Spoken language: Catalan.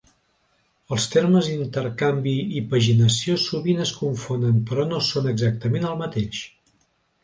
Els termes intercanvi i paginació sovint es confonen però no són exactament el mateix.